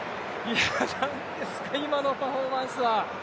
なんですか、今のパフォーマンスは。